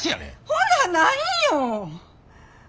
ほな何よ。